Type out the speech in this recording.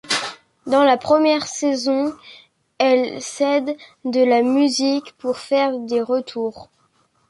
Dans la première saison, elle s'aide de la musique pour faire des retours.